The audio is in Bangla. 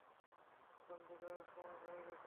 বন্ধু, যাওয়ার সময় হয়ে গেছে।